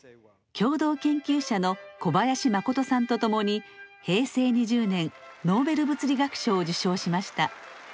共同研究者の小林誠さんと共に平成２０年ノーベル物理学賞を受賞しました。